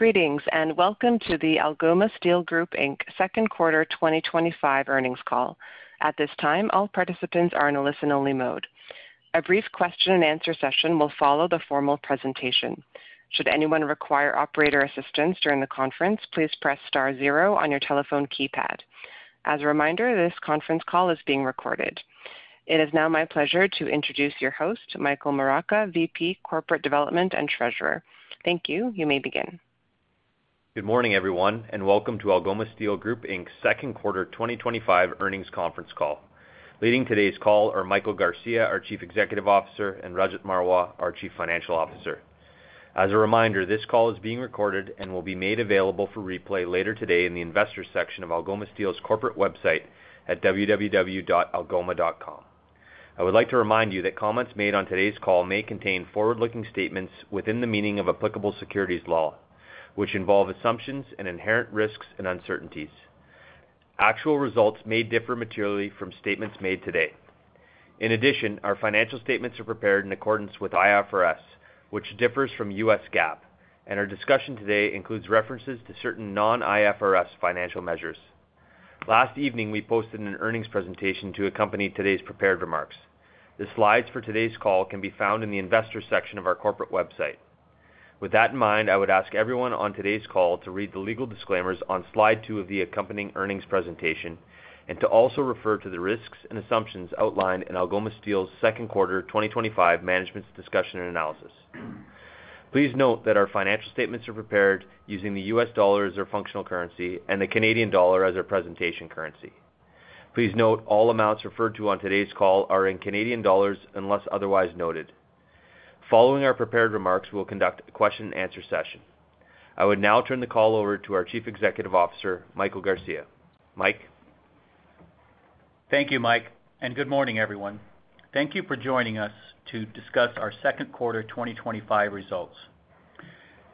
Greetings and welcome to the Algoma Steel Group Inc. Q2 2025 earnings call. At this time, all participants are in a listen-only mode. A brief question-and-answer session will follow the formal presentation. Should anyone require operator assistance during the conference, please press star zero on your telephone keypad. As a reminder, this conference call is being recorded. It is now my pleasure to introduce your host, Michael Moraca, VP Corporate Development and Treasurer. Thank you. You may begin. Good morning, everyone, and welcome to Algoma Steel Group Inc.'s Q2 2025 earnings conference call. Leading today's call are Michael Garcia, our Chief Executive Officer, and Rajat Marwah, our Chief Financial Officer. As a reminder, this call is being recorded and will be made available for replay later today in the Investors section of Algoma Steel's corporate website at www.algoma.com. I would like to remind you that comments made on today's call may contain forward-looking statements within the meaning of applicable securities law, which involve assumptions and inherent risks and uncertainties. Actual results may differ materially from statements made today. In addition, our financial statements are prepared in accordance with IFRS, which differs from U.S. GAAP, and our discussion today includes references to certain non-IFRS financial measures. Last evening, we posted an earnings presentation to accompany today's prepared remarks. The slides for today's call can be found in the Investors section of our corporate website. With that in mind, I would ask everyone on today's call to read the legal disclaimers on slide two of the accompanying earnings presentation and to also refer to the risks and assumptions outlined in Algoma Steel's Q2 2025 management's discussion and analysis. Please note that our financial statements are prepared using the U.S. dollar as our functional currency and the Canadian dollar as our presentation currency. Please note all amounts referred to on today's call are in Canadian dollars unless otherwise noted. Following our prepared remarks, we will conduct a question-and-answer session. I would now turn the call over to our Chief Executive Officer, Michael Garcia. Mike? Thank you, Mike, and good morning, everyone. Thank you for joining us to discuss our Q2 2025 results.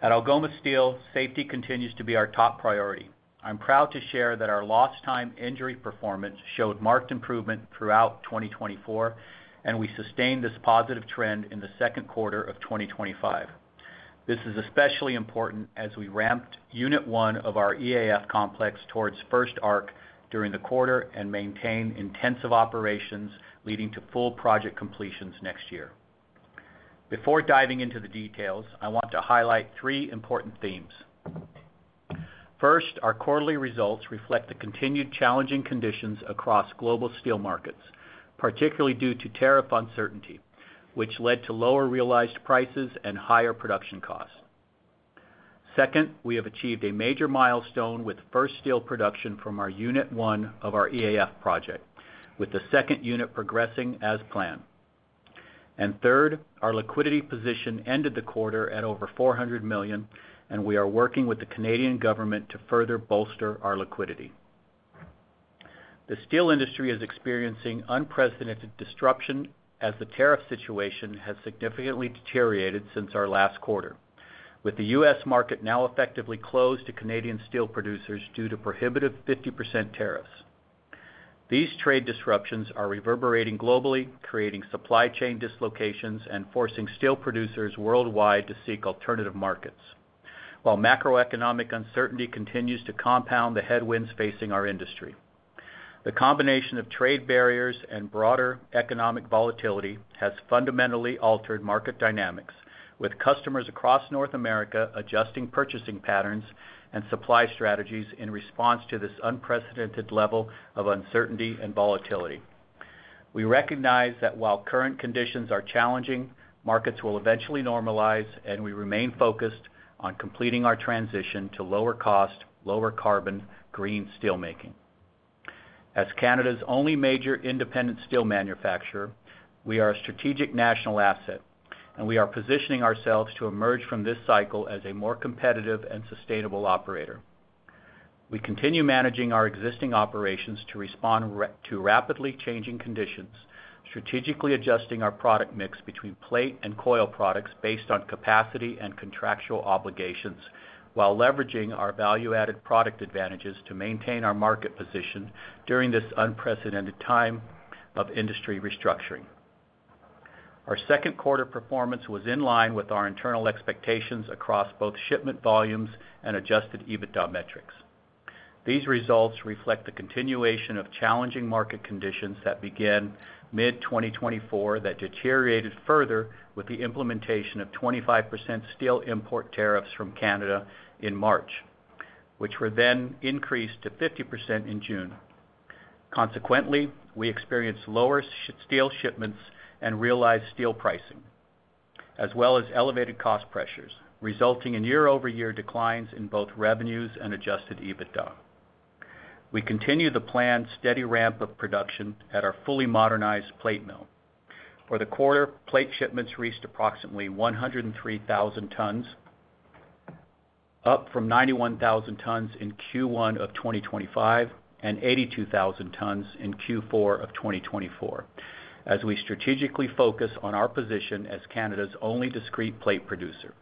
At Algoma Steel, safety continues to be our top priority. I'm proud to share that our lost-time injury performance showed marked improvement throughout 2024, and we sustained this positive trend in the Q2 of 2025. This is especially important as we ramped Unit one of our Electric Arc Furnace complex towards first arc during the quarter and maintain intensive operations leading to full project completions next year. Before diving into the details, I want to highlight three important themes. First, our quarterly results reflect the continued challenging conditions across global steel markets, particularly due to tariff uncertainty, which led to lower realized prices and higher production costs. Second, we have achieved a major milestone with first steel production from our Unit one of our Electric Arc Furnace project, with the second unit progressing as planned. Third, our liquidity position ended the quarter at over 400 million, and we are working with the Canadian government to further bolster our liquidity. The steel industry is experiencing unprecedented disruption as the tariff situation has significantly deteriorated since our last quarter, with the U.S. market now effectively closed to Canadian steel producers due to prohibitive 50% tariffs. These trade disruptions are reverberating globally, creating supply chain dislocations and forcing steel producers worldwide to seek alternative markets, while macroeconomic uncertainty continues to compound the headwinds facing our industry. The combination of trade barriers and broader economic volatility has fundamentally altered market dynamics, with customers across North America adjusting purchasing patterns and supply strategies in response to this unprecedented level of uncertainty and volatility. We recognize that while current conditions are challenging, markets will eventually normalize, and we remain focused on completing our transition to lower-cost, lower-carbon, green steelmaking. As Canada's only major independent steel manufacturer, we are a strategic national asset, and we are positioning ourselves to emerge from this cycle as a more competitive and sustainable operator. We continue managing our existing operations to respond to rapidly changing conditions, strategically adjusting our product mix between plate and coil products based on capacity and contractual obligations, while leveraging our value-added product advantages to maintain our market position during this unprecedented time of industry restructuring. Our Q2 performance was in line with our internal expectations across both shipment volumes and adjusted EBITDA metrics. These results reflect the continuation of challenging market conditions that began mid-2024 that deteriorated further with the implementation of 25% steel import tariffs from Canada in March, which were then increased to 50% in June. Consequently, we experienced lower steel shipments and realized steel pricing, as well as elevated cost pressures, resulting in year-over-year declines in both revenues and adjusted EBITDA. We continue the planned steady ramp of production at our fully modernized plate mill, where the quarter plate shipments reached approximately 103,000 tons, up from 91,000 tons in Q1 of 2025 and 82,000 tons in Q4 of 2024, as we strategically focus on our position as Canada's only discrete plate producer.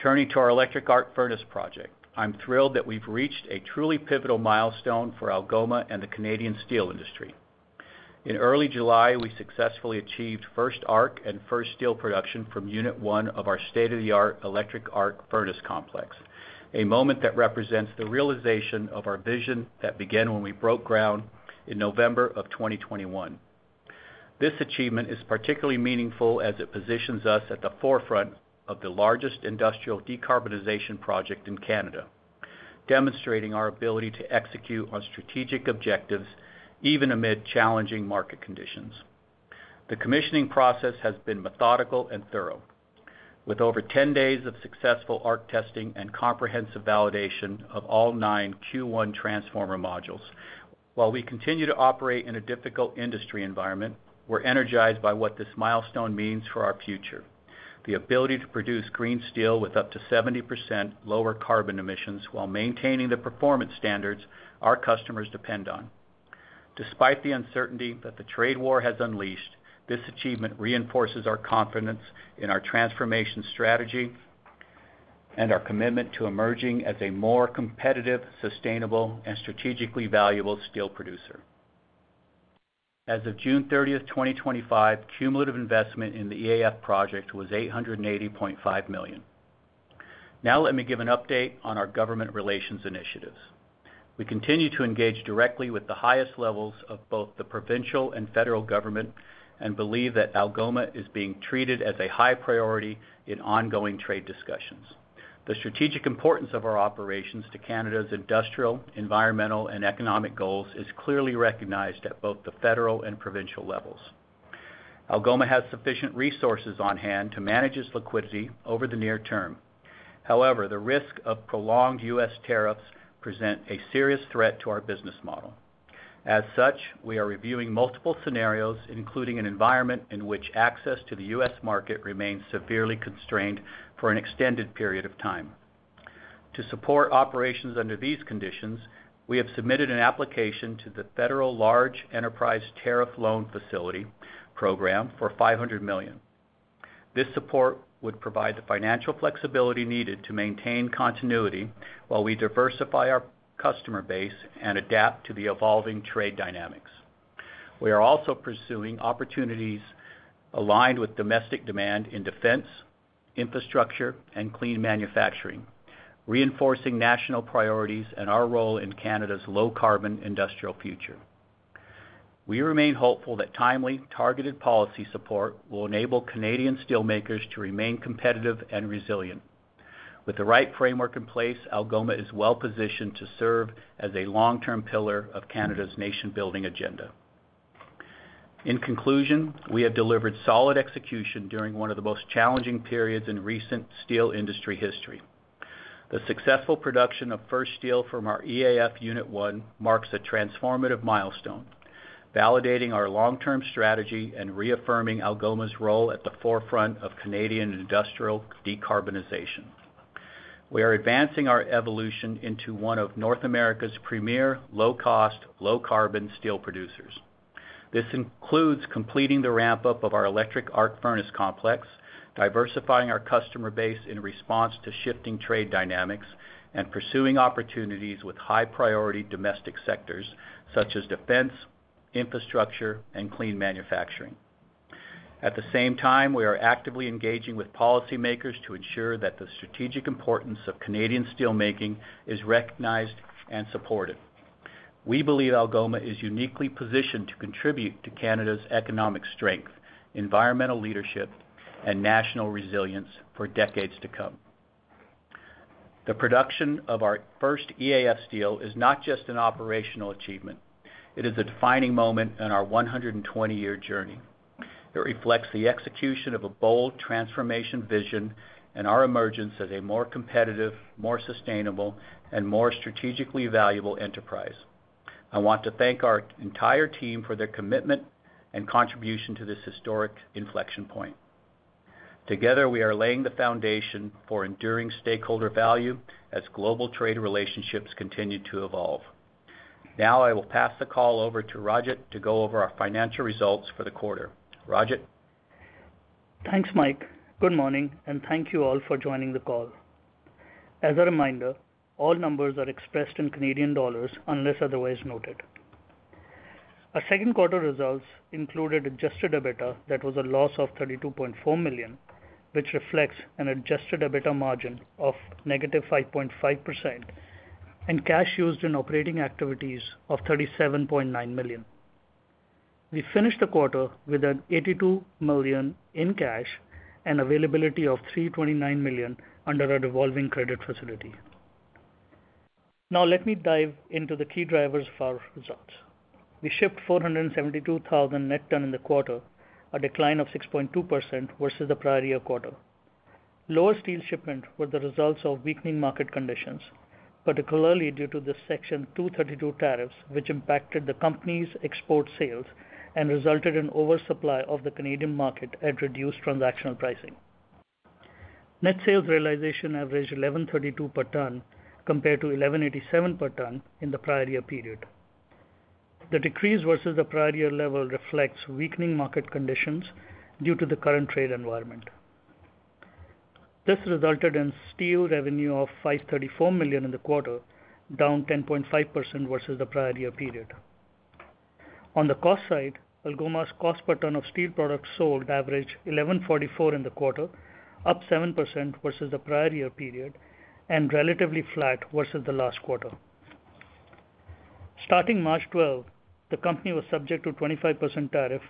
Turning to our Electric Arc Furnace project, I'm thrilled that we've reached a truly pivotal milestone for Algoma Steel Group Inc. and the Canadian steel industry. In early July, we successfully achieved first arc and first steel production from Unit one of our state-of-the-art Electric Arc Furnace complex, a moment that represents the realization of our vision that began when we broke ground in November of 2021. This achievement is particularly meaningful as it positions us at the forefront of the largest industrial decarbonization project in Canada, demonstrating our ability to execute on strategic objectives even amid challenging market conditions. The commissioning process has been methodical and thorough, with over 10 days of successful arc testing and comprehensive validation of all nine Q1 transformer modules. While we continue to operate in a difficult industry environment, we're energized by what this milestone means for our future: the ability to produce green steel with up to 70% lower carbon emissions while maintaining the performance standards our customers depend on. Despite the uncertainty that the trade war has unleashed, this achievement reinforces our confidence in our transformation strategy and our commitment to emerging as a more competitive, sustainable, and strategically valuable steel producer. As of June 30, 2025, cumulative investment in the EAF project was 880.5 million. Now, let me give an update on our government relations initiatives. We continue to engage directly with the highest levels of both the provincial and federal government and believe that Algoma Steel Group Inc. is being treated as a high priority in ongoing trade discussions. The strategic importance of our operations to Canada's industrial, environmental, and economic goals is clearly recognized at both the federal and provincial levels. Algoma Steel Group Inc. has sufficient resources on hand to manage its liquidity over the near term. However, the risk of prolonged U.S. tariffs presents a serious threat to our business model. As such, we are reviewing multiple scenarios, including an environment in which access to the U.S. market remains severely constrained for an extended period of time. To support operations under these conditions, we have submitted an application to the Federal Large Enterprise Tariff Loan Facility Program for 500 million. This support would provide the financial flexibility needed to maintain continuity while we diversify our customer base and adapt to the evolving trade dynamics. We are also pursuing opportunities aligned with domestic demand in defense, infrastructure, and clean manufacturing, reinforcing national priorities and our role in Canada's low-carbon industrial future. We remain hopeful that timely, targeted policy support will enable Canadian steelmakers to remain competitive and resilient. With the right framework in place, Algoma Steel Group Inc. is well-positioned to serve as a long-term pillar of Canada's nation-building agenda. In conclusion, we have delivered solid execution during one of the most challenging periods in recent steel industry history. The successful production of first steel from our EAF Unit one marks a transformative milestone, validating our long-term strategy and reaffirming Algoma Steel Group Inc.'s role at the forefront of Canadian industrial decarbonization. We are advancing our evolution into one of North America's premier low-cost, low-carbon steel producers. This includes completing the ramp-up of our Electric Arc Furnace complex, diversifying our customer base in response to shifting trade dynamics, and pursuing opportunities with high-priority domestic sectors such as defense, infrastructure, and clean manufacturing. At the same time, we are actively engaging with policymakers to ensure that the strategic importance of Canadian steelmaking is recognized and supported. We believe Algoma Steel Group Inc. is uniquely positioned to contribute to Canada's economic strength, environmental leadership, and national resilience for decades to come. The production of our first EAF steel is not just an operational achievement, it is a defining moment in our 120-year journey. It reflects the execution of a bold transformation vision and our emergence as a more competitive, more sustainable, and more strategically valuable enterprise. I want to thank our entire team for their commitment and contribution to this historic inflection point. Together, we are laying the foundation for enduring stakeholder value as global trade relationships continue to evolve. Now, I will pass the call over to Rajat to go over our financial results for the quarter. Rajat. Thanks, Mike. Good morning, and thank you all for joining the call. As a reminder, all numbers are expressed in Canadian dollars unless otherwise noted. Our Q2 results included adjusted EBITDA that was a loss of 32.4 million, which reflects an adjusted EBITDA margin of -5.5%, and cash used in operating activities of 37.9 million. We finished the quarter with 82 million in cash and availability of 329 million under our revolving credit facility. Now, let me dive into the key drivers of our results. We shipped 472,000 net tons in the quarter, a decline of 6.2% versus the prior year quarter. Lower steel shipments were the result of weakening market conditions, particularly due to the Section 232 tariffs, which impacted the company's export sales and resulted in oversupply of the Canadian market at reduced transactional pricing. Net sales realization averaged 1,132 per tonne, compared to 1,187 per tonne in the prior year period. The decrease versus the prior year level reflects weakening market conditions due to the current trade environment. This resulted in steel revenue of 534 million in the quarter, down 10.5% versus the prior year period. On the cost side, Algoma's cost per tonne of steel products sold averaged 1,144 in the quarter, up 7% versus the prior year period, and relatively flat versus the last quarter. Starting March 12, the company was subject to a 25% tariff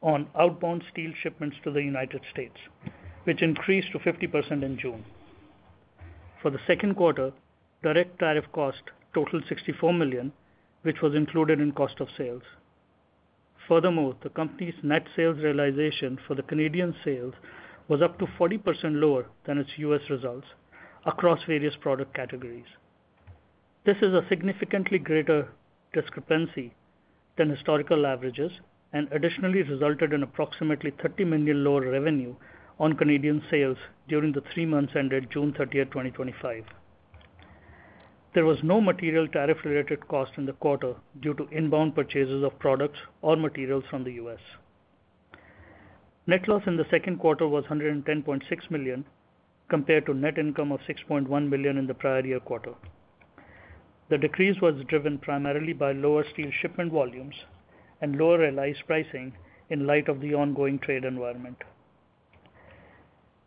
on outbound steel shipments to the U.S., which increased to 50% in June. For the Q2, direct tariff cost totaled 64 million, which was included in cost of sales. Furthermore, the company's net sales realization for the Canadian sales was up to 40% lower than its U.S. results across various product categories. This is a significantly greater discrepancy than historical averages and additionally resulted in approximately 30 million lower revenue on Canadian sales during the three months ended June 30, 2025. There was no material tariff-related cost in the quarter due to inbound purchases of products or materials from the U.S. Net loss in the Q2 was 110.6 million, compared to net income of 6.1 million in the prior year quarter. The decrease was driven primarily by lower steel shipment volumes and lower realized pricing in light of the ongoing trade environment.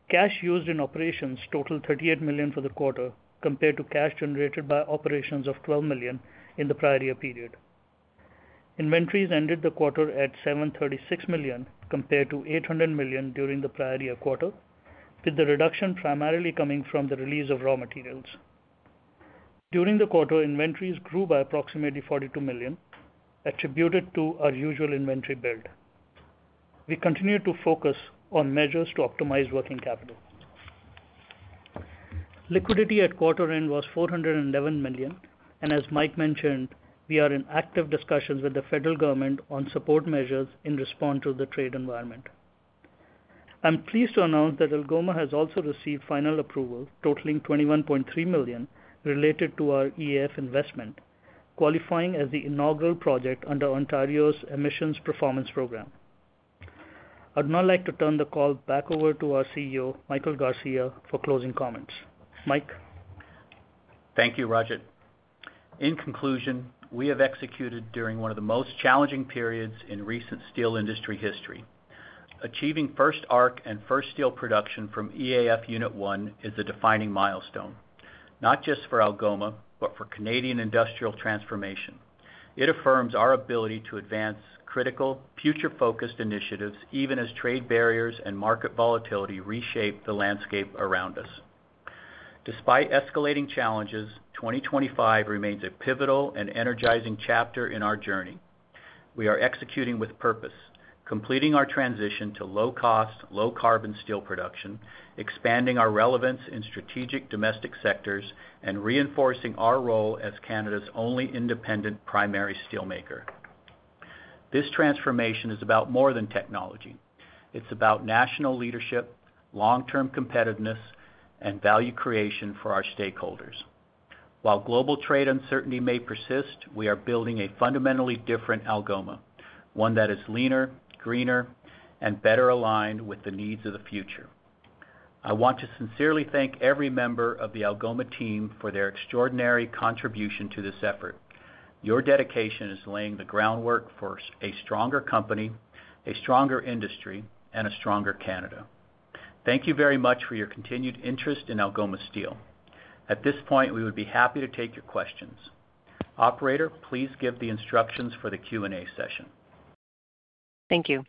Cash used in operations totaled 38 million for the quarter, compared to cash generated by operations of 12 million in the prior year period. Inventories ended the quarter at 736 million, compared to 800 million during the prior year quarter, with the reduction primarily coming from the release of raw materials. During the quarter, inventories grew by approximately 42 million, attributed to our usual inventory build. We continue to focus on measures to optimize working capital. Liquidity at quarter end was 411 million, and as Mike mentioned, we are in active discussions with the federal government on support measures in response to the trade environment. I'm pleased to announce that Algoma Steel Group Inc. has also received final approval totaling 21.3 million related to our Electric Arc Furnace investment, qualifying as the inaugural project under Ontario's Emissions Performance Program. I'd now like to turn the call back over to our CEO, Michael Garcia, for closing comments. Mike? Thank you, Rajat. In conclusion, we have executed during one of the most challenging periods in recent steel industry history. Achieving first arc and first steel production from EAF Unit one is a defining milestone, not just for Algoma Steel Group Inc. but for Canadian industrial transformation. It affirms our ability to advance critical, future-focused initiatives, even as trade barriers and market volatility reshape the landscape around us. Despite escalating challenges, 2025 remains a pivotal and energizing chapter in our journey. We are executing with purpose, completing our transition to low-cost, low-carbon steel production, expanding our relevance in strategic domestic sectors, and reinforcing our role as Canada's only independent primary steelmaker. This transformation is about more than technology; it's about national leadership, long-term competitiveness, and value creation for our stakeholders. While global trade uncertainty may persist, we are building a fundamentally different Algoma Steel Group Inc., one that is leaner, greener, and better aligned with the needs of the future. I want to sincerely thank every member of the Algoma team for their extraordinary contribution to this effort. Your dedication is laying the groundwork for a stronger company, a stronger industry, and a stronger Canada. Thank you very much for your continued interest in Algoma Steel Group Inc. At this point, we would be happy to take your questions. Operator, please give the instructions for the Q&A session. Thank you.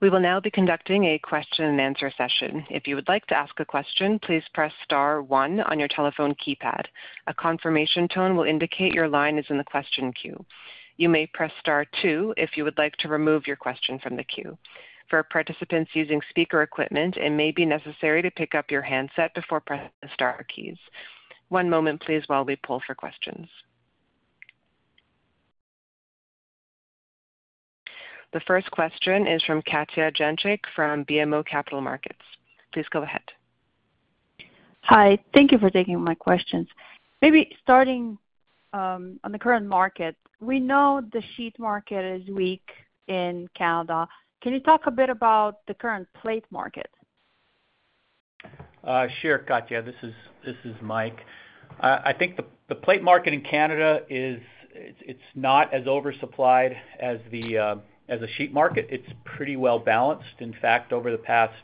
We will now be conducting a question-and-answer session. If you would like to ask a question, please press star one on your telephone keypad. A confirmation tone will indicate your line is in the question queue. You may press star two if you would like to remove your question from the queue. For participants using speaker equipment, it may be necessary to pick up your handset before pressing the star keys. One moment, please, while we pull for questions. The first question is from Katja Jancic from BMO Capital Markets. Please go ahead. Hi. Thank you for taking my questions. Maybe starting on the current market, we know the sheet market is weak in Canada. Can you talk a bit about the current plate market? Sure, Katja. This is Mike. I think the plate market in Canada is not as oversupplied as the sheet market. It's pretty well balanced. In fact, over the past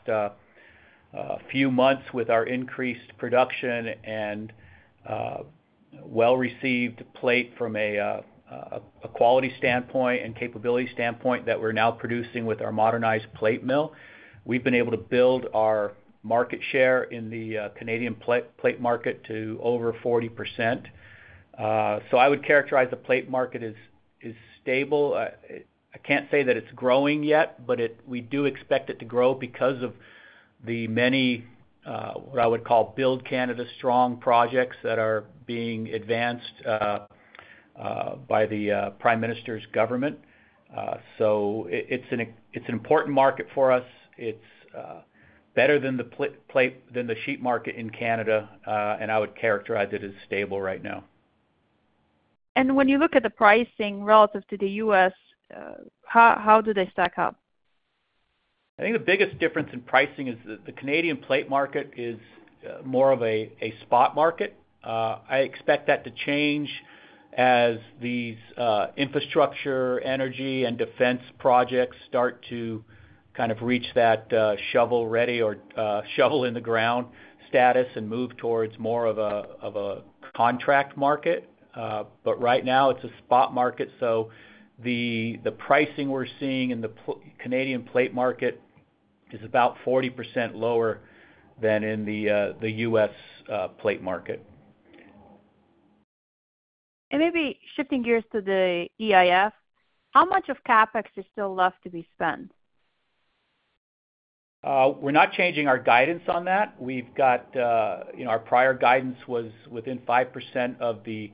few months, with our increased production and well-received plate from a quality standpoint and capability standpoint that we're now producing with our modernized plate mill, we've been able to build our market share in the Canadian plate market to over 40%. I would characterize the plate market as stable. I can't say that it's growing yet, but we do expect it to grow because of the many, what I would call, Build Canada strong projects that are being advanced by the Prime Minister's government. It's an important market for us. It's better than the sheet market in Canada, and I would characterize it as stable right now. When you look at the pricing relative to the U.S., how do they stack up? I think the biggest difference in pricing is that the Canadian plate market is more of a spot market. I expect that to change as these infrastructure, energy, and defense projects start to kind of reach that shovel-ready or shovel-in-the-ground status and move towards more of a contract market. Right now, it's a spot market. The pricing we're seeing in the Canadian plate market is about 40% lower than in the U.S. plate market. Maybe shifting gears to the EAF, how much of CapEx is still left to be spent? We're not changing our guidance on that. Our prior guidance was within 5% of the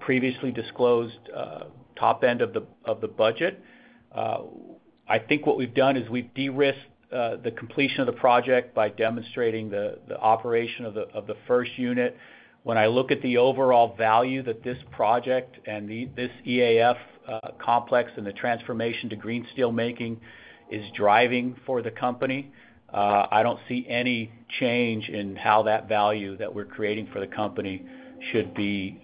previously disclosed top end of the budget. I think what we've done is we've de-risked the completion of the project by demonstrating the operation of the first unit. When I look at the overall value that this project and this Electric Arc Furnace complex and the transformation to green steelmaking is driving for the company, I don't see any change in how that value that we're creating for the company should be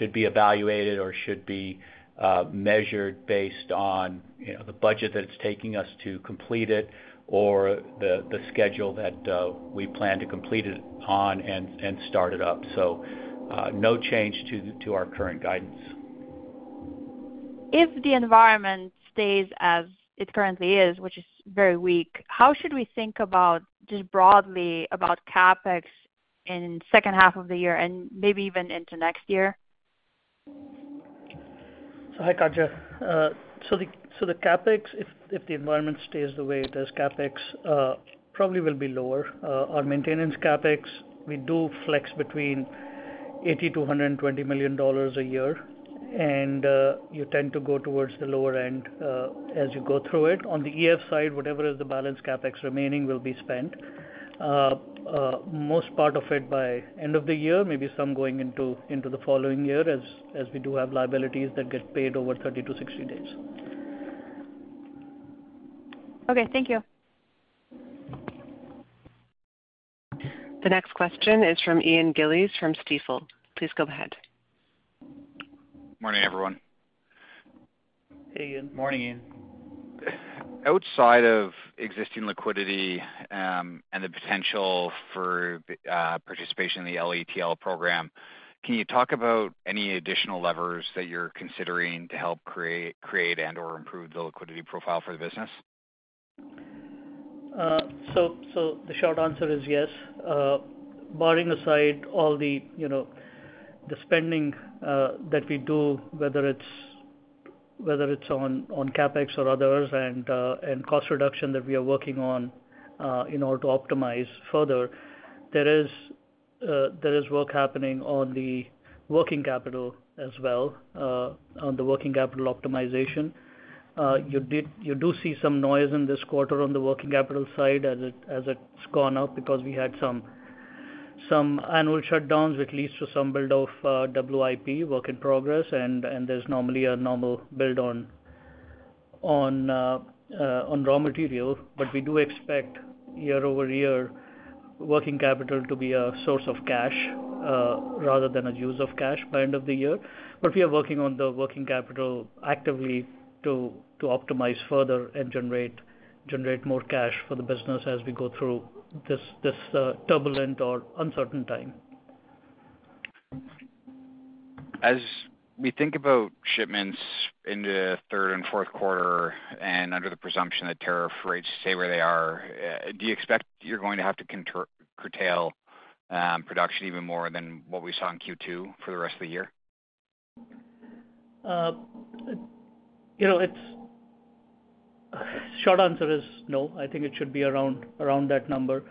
evaluated or should be measured based on the budget that it's taking us to complete it or the schedule that we plan to complete it on and start it up. No change to our current guidance. If the environment stays as it currently is, which is very weak, how should we think about just broadly about CapEx in the second half of the year and maybe even into next year? Hi, Katja. If the environment stays the way it is, CapEx probably will be lower. Our maintenance CapEx, we do flex between 80 million dollars to 120 million dollars a year, and you tend to go towards the lower end as you go through it. On the EAF side, whatever is the balanced CapEx remaining will be spent, most part of it by the end of the year, maybe some going into the following year as we do have liabilities that get paid over 30days-60 days. Okay, thank you. The next question is from Ian Gillies from Stifel. Please go ahead. Morning, everyone. Hey, Ian. Morning, Ian. Outside of existing liquidity and the potential for participation in the LETL program, can you talk about any additional levers that you're considering to help create and/or improve the liquidity profile for the business? The short answer is yes. Barring aside all the spending that we do, whether it's on CapEx or others and cost reduction that we are working on in order to optimize further, there is work happening on the working capital as well, on the working capital optimization. You do see some noise in this quarter on the working capital side as it's gone up because we had some annual shutdowns, which leads to some build of WIP, work in progress, and there's normally a normal build on raw material. We do expect year-over-year working capital to be a source of cash rather than a use of cash by the end of the year. We are working on the working capital actively to optimize further and generate more cash for the business as we go through this turbulent or uncertain time. As we think about shipments into the Q3 and Q4, and under the presumption that tariff rates stay where they are, do you expect you're going to have to curtail production even more than what we saw in Q2 for the rest of the year? The short answer is no. I think it should be around that number.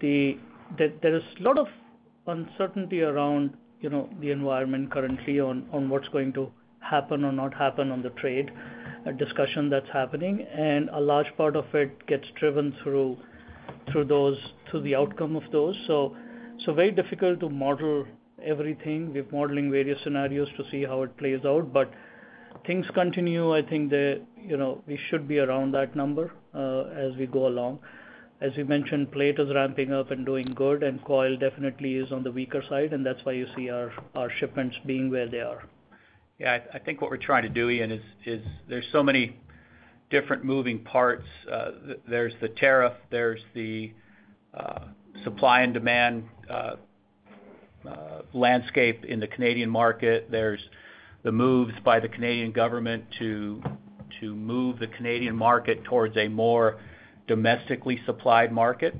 There is a lot of uncertainty around the environment currently on what's going to happen or not happen on the trade, a discussion that's happening, and a large part of it gets driven through the outcome of those. It is very difficult to model everything. We're modeling various scenarios to see how it plays out. Things continue. I think that we should be around that number as we go along. As we mentioned, plate is ramping-up and doing good, and coil definitely is on the weaker side, and that's why you see our shipments being where they are. Yeah, I think what we're trying to do, Ian, is there's so many different moving parts. There's the tariff, there's the supply and demand landscape in the Canadian market, there's the moves by the Canadian government to move the Canadian market towards a more domestically supplied market.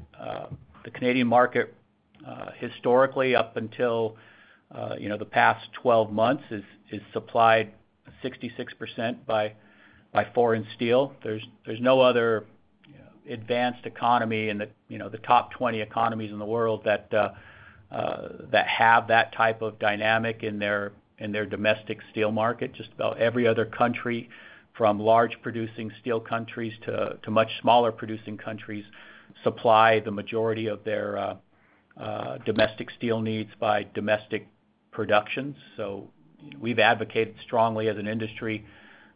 The Canadian market historically, up until the past 12 months, is supplied 66% by foreign steel. There's no other advanced economy in the top 20 economies in the world that have that type of dynamic in their domestic steel market. Just about every other country, from large producing steel countries to much smaller producing countries, supplies the majority of their domestic steel needs by domestic production. We've advocated strongly as an industry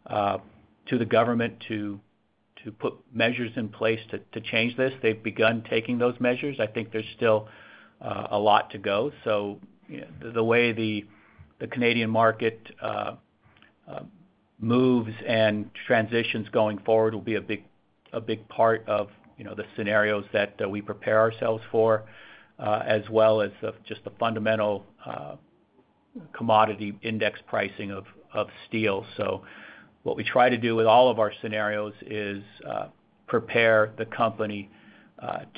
to the government to put measures in place to change this. They've begun taking those measures. I think there's still a lot to go. The way the Canadian market moves and transitions going forward will be a big part of the scenarios that we prepare ourselves for, as well as just the fundamental commodity index pricing of steel. What we try to do with all of our scenarios is prepare the company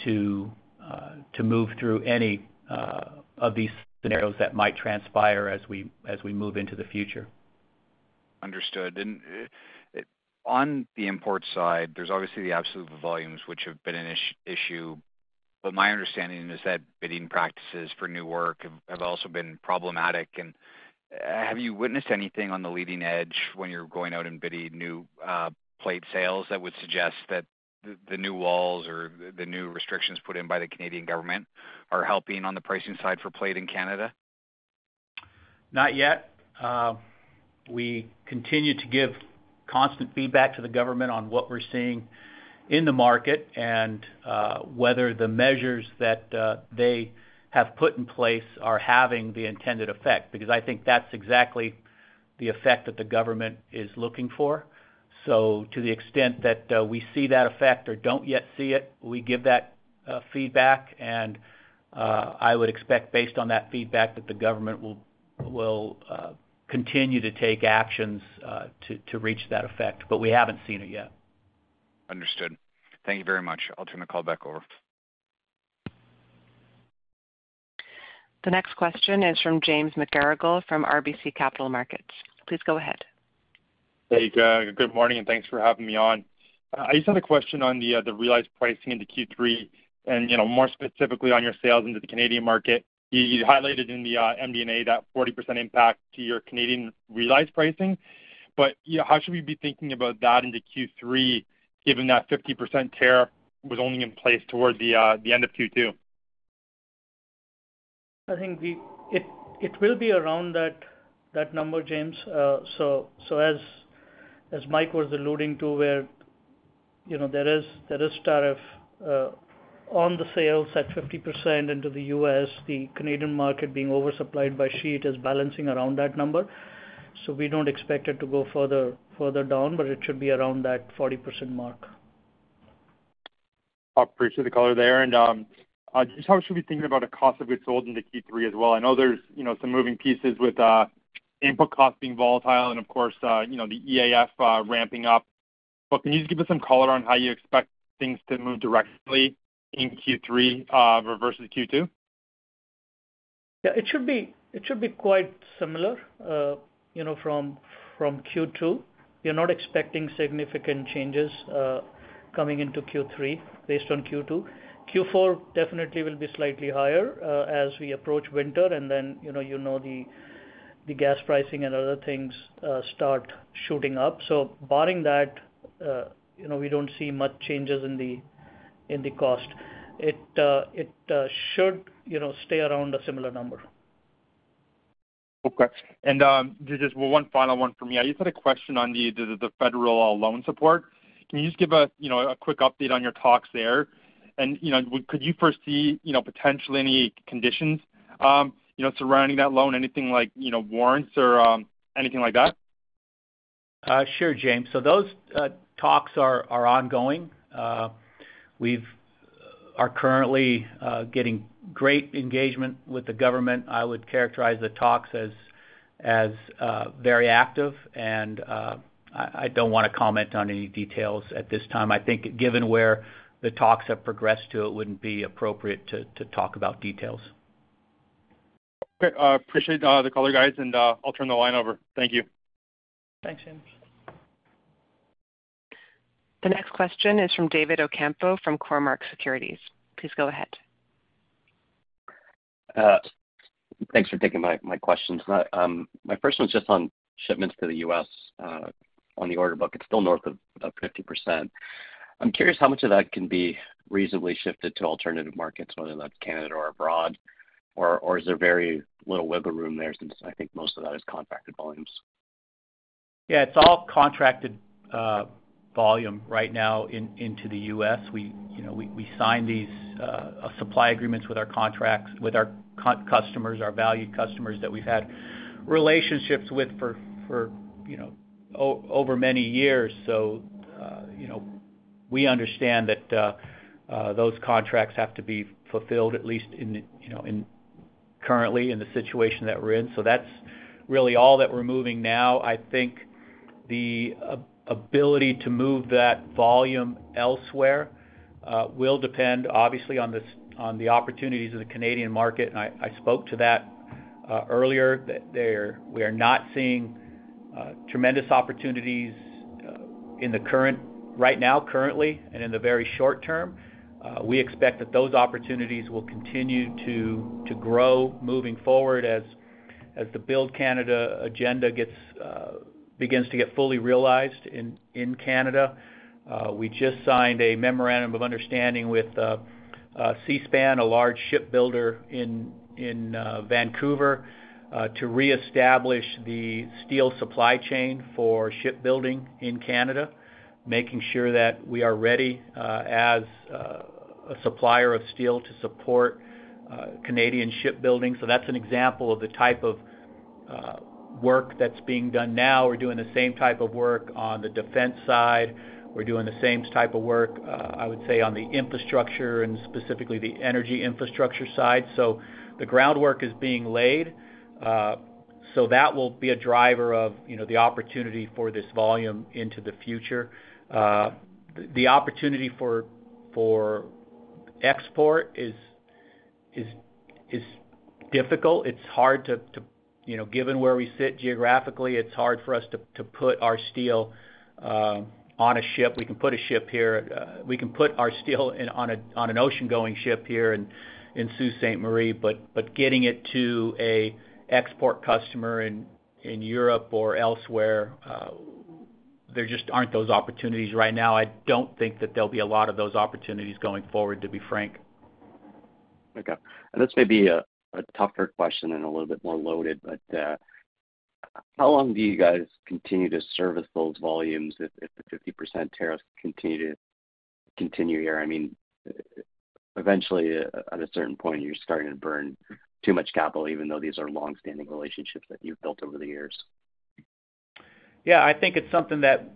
to move through any of these scenarios that might transpire as we move into the future. Understood. On the import side, there's obviously the absolute volumes, which have been an issue. My understanding is that bidding practices for new work have also been problematic. Have you witnessed anything on the leading edge when you're going out and bidding new plate sales that would suggest that the new laws or the new restrictions put in by the Canadian government are helping on the pricing side for plate in Canada? Not yet. We continue to give constant feedback to the government on what we're seeing in the market and whether the measures that they have put in place are having the intended effect. I think that's exactly the effect that the government is looking for. To the extent that we see that effect or don't yet see it, we give that feedback, and I would expect, based on that feedback, that the government will continue to take actions to reach that effect, but we haven't seen it yet. Understood. Thank you very much. I'll turn the call back over. The next question is from James McGarragle from RBC Capital Markets. Please go ahead. Hey, good morning, and thanks for having me on. I just have a question on the realized pricing into Q3, and more specifically on your sales into the Canadian market. You highlighted in the MD&A that 40% impact to your Canadian realized pricing, but how should we be thinking about that into Q3, given that 50% tariff was only in place toward the end of Q2? I think it will be around that number, James. As Mike was alluding to, where you know there is tariff on the sales at 50% into the U.S., the Canadian market being oversupplied by sheet is balancing around that number. We don't expect it to go further down, but it should be around that 40% mark. Appreciate the color there. How should we be thinking about the cost of goods sold into Q3 as well? I know there's some moving pieces with input costs being volatile, and of course, the Electric Arc Furnace ramping-up. Can you just give us some color on how you expect things to move directionally in Q3 versus Q2? Yeah, it should be quite similar. You know, from Q2, you're not expecting significant changes coming into Q3 based on Q2. Q4 definitely will be slightly higher as we approach winter, and then the gas pricing and other things start shooting up. Barring that, you know we don't see much changes in the cost. It should stay around a similar number. Okay. Just one final one from you. I just had a question on the federal loan support. Can you just give a quick update on your talks there? Could you foresee potentially any conditions surrounding that loan, anything like warrants or anything like that? Sure, James. Those talks are ongoing. We are currently getting great engagement with the government. I would characterize the talks as very active, and I don't want to comment on any details at this time. I think given where the talks have progressed to, it wouldn't be appropriate to talk about details. Okay. Appreciate the color, guys, and I'll turn the line over. Thank you. Thanks, James. The next question is from David Ocampo from Cormark Securities. Please go ahead. Thanks for taking my questions. My first one is just on shipments to the U.S. on the order book. It's still north of 50%. I'm curious how much of that can be reasonably shifted to alternative markets, whether that's Canada or abroad, or is there very little wiggle room there since I think most of that is contracted volumes? Yeah, it's all contracted volume right now into the U.S. We sign these supply agreements with our customers, our valued customers that we've had relationships with for many years. We understand that those contracts have to be fulfilled, at least currently in the situation that we're in. That's really all that we're moving now. I think the ability to move that volume elsewhere will depend, obviously, on the opportunities of the Canadian market, and I spoke to that earlier. We are not seeing tremendous opportunities right now, currently, and in the very short term. We expect that those opportunities will continue to grow moving forward as the Build Canada agenda begins to get fully realized in Canada. We just signed a memorandum of understanding with Seaspan, a large shipbuilder in Vancouver, to re-establish the steel supply chain for shipbuilding in Canada, making sure that we are ready as a supplier of steel to support Canadian shipbuilding. That's an example of the type of work that's being done now. We're doing the same type of work on the defense side. We're doing the same type of work, I would say, on the infrastructure and specifically the energy infrastructure side. The groundwork is being laid. That will be a driver of the opportunity for this volume into the future. The opportunity for export is difficult. It's hard to, given where we sit geographically, it's hard for us to put our steel on a ship. We can put our steel on an ocean-going ship here in Sault Ste. Marie, but getting it to an export customer in Europe or elsewhere, there just aren't those opportunities right now. I don't think that there'll be a lot of those opportunities going forward, to be frank. Okay. This may be a tougher question and a little bit more loaded, but how long do you guys continue to service those volumes if the 50% tariffs continue here? I mean, eventually, at a certain point, you're starting to burn too much capital, even though these are longstanding relationships that you've built over the years. I think it's something that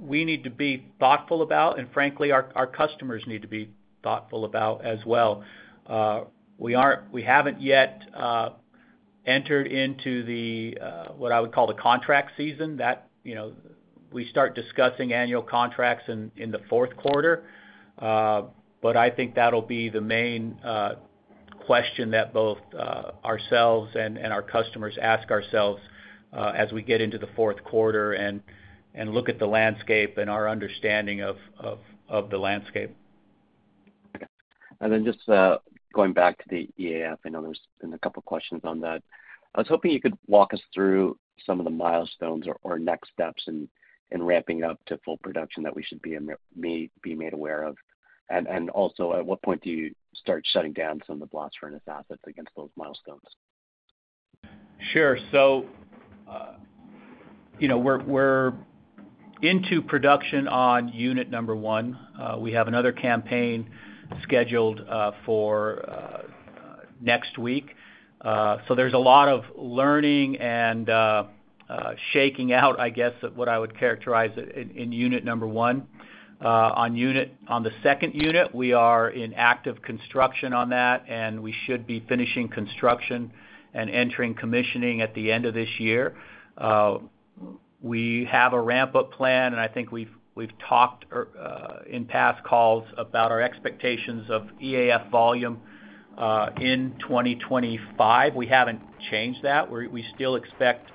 we need to be thoughtful about, and frankly, our customers need to be thoughtful about as well. We haven't yet entered into what I would call the contract season. We start discussing annual contracts in the Q4. I think that'll be the main question that both ourselves and our customers ask ourselves as we get into the Q4 and look at the landscape and our understanding of the landscape. Just going back to the EAF, I know there's been a couple of questions on that. I was hoping you could walk us through some of the milestones or next steps in ramping up to full production that we should be made aware of. Also, at what point do you start shutting down some of the blocks for an establishment against those milestones? Sure. We're into production on Unit Number one. We have another campaign scheduled for next week. There's a lot of learning and shaking out, I guess, what I would characterize in Unit Number one. On the second unit, we are in active construction on that, and we should be finishing construction and entering commissioning at the end of this year. We have a ramp-up plan, and I think we've talked in past calls about our expectations of EAF volume in 2025. We haven't changed that. We still expect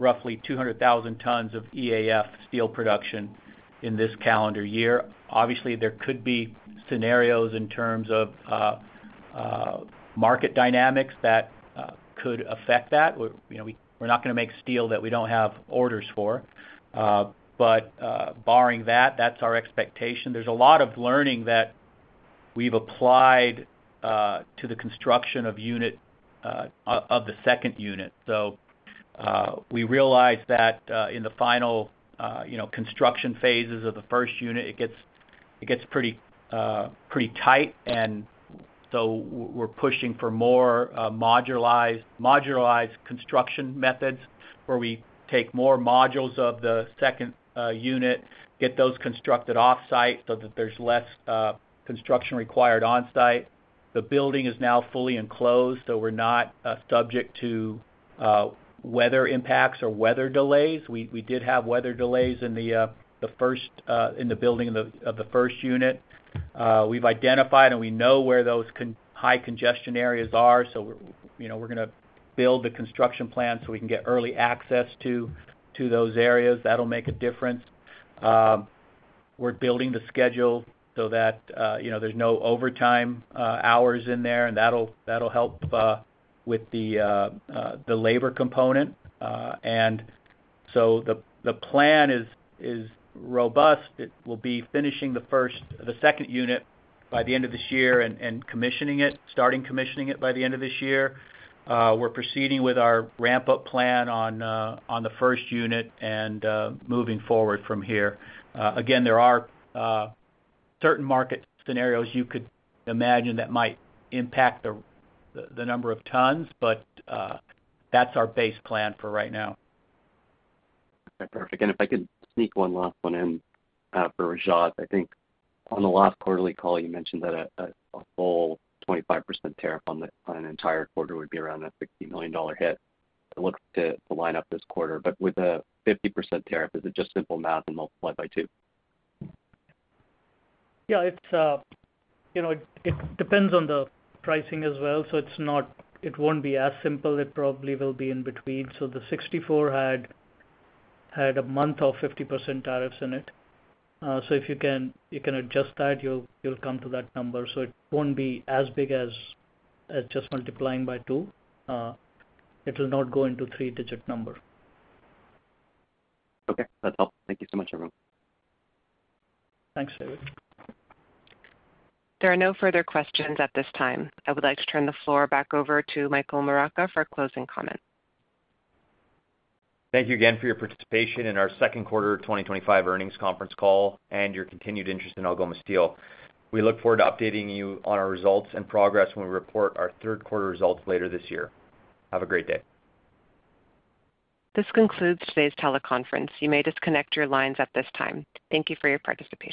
roughly 200,000 tons of EAF steel production in this calendar year. Obviously, there could be scenarios in terms of market dynamics that could affect that. We're not going to make steel that we don't have orders for. Barring that, that's our expectation. There's a lot of learning that we've applied to the construction of the second unit. We realize that in the final construction phases of the first unit, it gets pretty tight. We're pushing for more modularized construction methods where we take more modules of the second unit, get those constructed offsite so that there's less construction required onsite. The building is now fully enclosed, so we're not subject to weather impacts or weather delays. We did have weather delays in the building of the first unit. We've identified and we know where those high congestion areas are. We're going to build the construction plan so we can get early access to those areas. That'll make a difference. We're building the schedule so that there's no overtime hours in there, and that'll help with the labor component. The plan is robust. It will be finishing the second unit by the end of this year and starting commissioning it by the end of this year. We're proceeding with our ramp-up plan on the first unit and moving forward from here. There are certain market scenarios you could imagine that might impact the number of tons, but that's our base plan for right now. Okay, perfect. If I could sneak one last one in for Rajat, I think on the last quarterly call, you mentioned that a full 25% tariff on the entire quarter would be around that 15 million dollar hit to line up this quarter. With the 50% tariff, is it just simple math and multiplied by two? Yeah, it depends on the pricing as well. It won't be as simple. It probably will be in between. The 64 had a month of 50% tariffs in it. If you can adjust that, you'll come to that number. It won't be as big as just multiplying by two. It'll not go into a three-digit number. Okay, that's helpful. Thank you so much, everyone. Thanks, David. There are no further questions at this time. I would like to turn the floor back over to Michael Moraca for a closing comment. Thank you again for your participation in our Q2 2025 earnings conference call and your continued interest in Algoma Steel Group Inc. We look forward to updating you on our results and progress when we report our Q3 results later this year. Have a great day. This concludes today's teleconference. You may disconnect your lines at this time. Thank you for your participation.